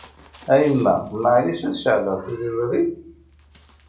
A yemma, maɛlic ad ceɛleɣ tiliẓri?